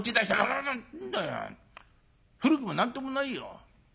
「何だよ古くも何ともないよ。